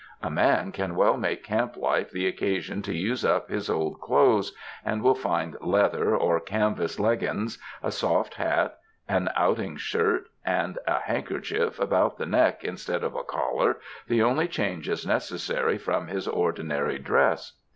A man can well make camp life the occasion to use up his old clothes; and will find leather or canvas leggins, a soft hat, an outing shirt and a handkerchief about the neck instead of a collar, the only changes necessary from his ordinary dress.